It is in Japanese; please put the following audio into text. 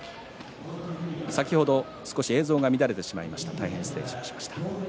先ほど少し映像が乱れました失礼しました。